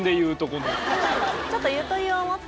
ちょっとゆとりを持って。